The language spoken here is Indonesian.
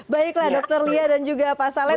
baiklah dr lia dan juga pak saleng